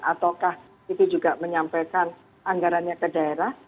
ataukah itu juga menyampaikan anggarannya ke daerah